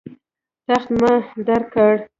تخت ما درکړ.